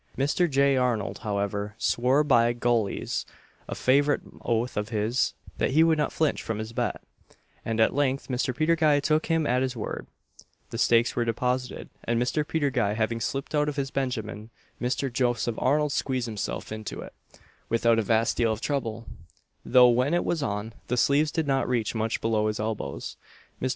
Mr. J. Arnold, however, swore by goles (a favourite oath of his) that he would not flinch from his bet; and at length Mr. Peter Guy took him at his word, the stakes were deposited, and Mr. Peter Guy having slipped out of his benjamin, Mr. Joseph Arnold squeezed himself into it, without a vast deal of trouble; though, when it was on, the sleeves did not reach much below his elbows. Mr.